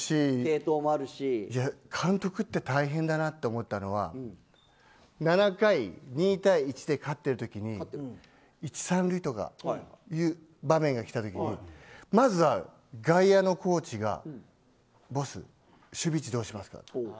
作戦を考えてるし監督って大変だなと思ったのが７回、２対１で勝ってるときに１、３塁とかいう場面がきたときにまずは外野のコーチがＢＯＳＳ守備位置どうしますか。